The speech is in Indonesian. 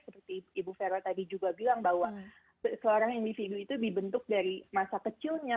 seperti ibu vero tadi juga bilang bahwa seorang individu itu dibentuk dari masa kecilnya